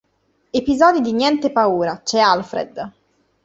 Episodi di Niente paura, c'è Alfred!